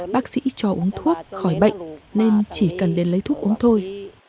bác sĩ cho uống thuốc khỏi bệnh nên chỉ cần đến lấy thuốc uống thôi